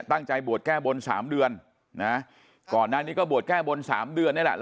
ตั้งใจบวชแก้บน๓เดือนนะก่อนหน้านี้ก็บวชแก้บน๓เดือนนี่แหละ